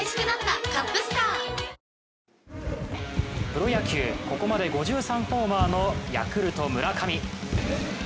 プロ野球、ここまで５３ホーマーのヤクルト・村上。